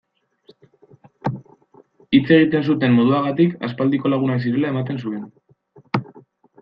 Hitz egiten zuten moduagatik aspaldiko lagunak zirela ematen zuen.